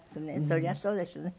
そりゃそうですね。